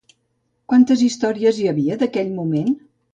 Quantes històries hi havia d'aquell moment?